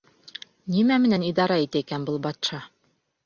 Нимә менән идара итә икән был батша?